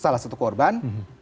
salah satu korban